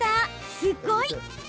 すごい！